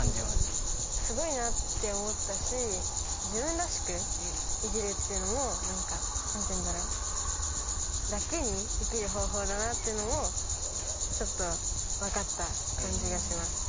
すごいなって思ったし自分らしく生きるっていうのも何て言うんだろう楽に生きる方法だなっていうのもちょっと分かった感じがします。